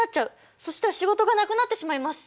そしたら仕事がなくなってしまいます。